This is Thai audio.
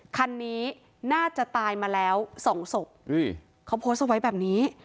คันนี้น่าจะตายมาแล้วสองศพเขาโพสต์เอาไว้แบบนี้